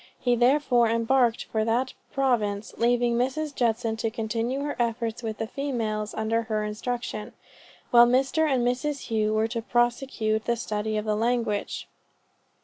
He therefore embarked for that province, leaving Mrs. Judson to continue her efforts with the females under her instruction; while Mr. and Mrs. Hough were to prosecute the study of the language.